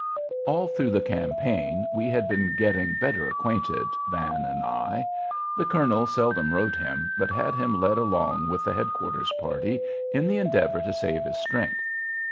All through the campaign we had been getting better acquainted, Van and I. The colonel seldom rode him, but had him led along with the head quarters party in the endeavor to save his strength.